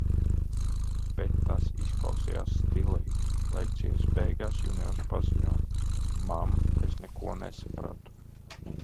Bet tas izklausījās stilīgi. Lekcijas beigās, juniors paziņo: Mam, es neko nesapratu.